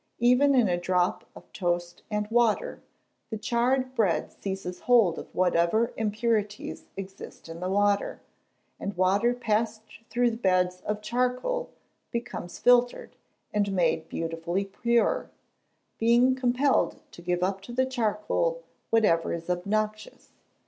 Even in a drop of toast and water, the charred bread seizes hold of whatever impurities exist in the water; and water passed through beds of charcoal, becomes filtered, and made beautifully pure, being compelled to give up to the charcoal whatever is obnoxious.